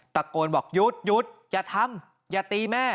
ตะโกนบอกหยุดหยุดอย่าทำอย่าตีแม่